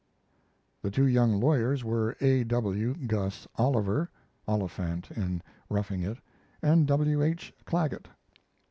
The two young lawyers were A. W.(Gus) Oliver (Oliphant in 'Roughing It'), and W. H. Clagget.